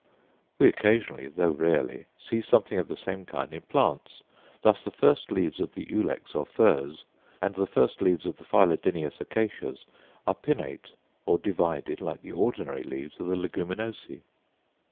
We occasionally, though rarely, see something of the same kind in plants; thus the first leaves of the ulex or furze, and the first leaves of the phyllodineous acacias, are pinnate or divided like the ordinary leaves of the leguminosæ.